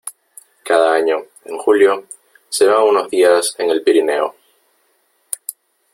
Cada año, en julio, se van unos días en el Pirineo.